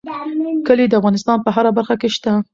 کلي د افغانستان په هره برخه کې شته.